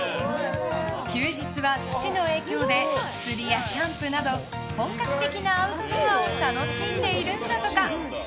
休日は父の影響で釣りやキャンプなど本格的なアウトドアを楽しんでいるんだとか。